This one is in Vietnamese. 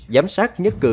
giám sát nhất cử